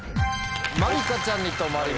まりかちゃんに止まりました。